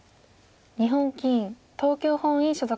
日本棋院東京本院所属。